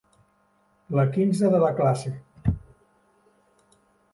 La quinze de la classe.